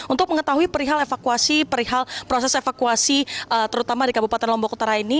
untuk mengetahui perihal evakuasi perihal proses evakuasi terutama di kabupaten lombok utara ini